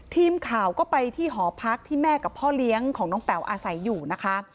ทีมข่าวก็ไปที่หอพักที่แม่กับพ่อเลี้ยงของน้องแป๋วอาศัยอยู่นะคะ